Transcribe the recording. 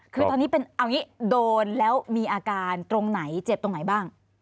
คือตอนนี้เป็นเอางี้โดนแล้วมีอาการตรงไหนเจ็บตรงไหนบ้าง